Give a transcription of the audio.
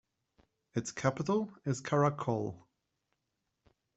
Its capital is Karakol.